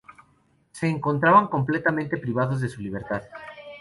Se encontraban completamente privados de su libertad.